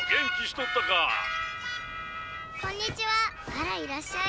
「あらいらっしゃい」。